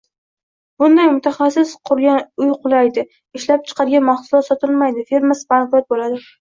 Bunday mutaxassis qurgan uy qulaydi, ishlab chiqargan mahsulot sotilmaydi, firmasi bankrot boʻladi.